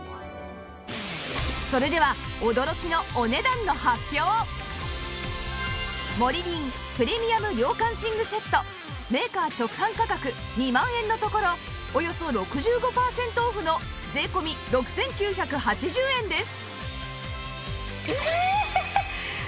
それではモリリンプレミアム涼感寝具セットメーカー直販価格２万円のところおよそ６５パーセントオフの税込６９８０円です